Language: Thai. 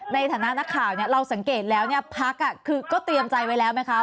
ในฐานะนักข่าวเราสังเกตแล้วพักคือก็เตรียมใจไว้แล้วไหมคะ